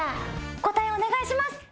答えお願いします。